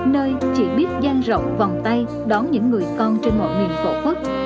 nơi chỉ biết gian rộng vòng tay đón những người con trên mọi nguyện bộ phất